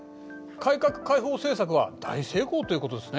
改革開放政策は大成功ということですね？